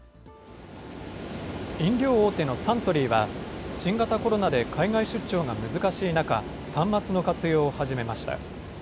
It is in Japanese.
飲料大手のサントリーは、新型コロナで海外出張が難しい中、端末の活用を始めました。